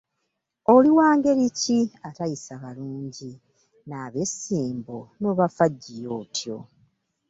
Oli wa ngeri ki atayisa balungi, n’ab’essimbo n’obafaggiya otyo?